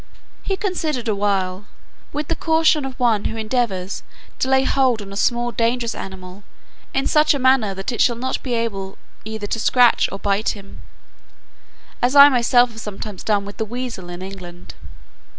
He considered awhile, with the caution of one who endeavours to lay hold on a small dangerous animal in such a manner that it shall not be able either to scratch or bite him, as I myself have sometimes done with a weasel in England.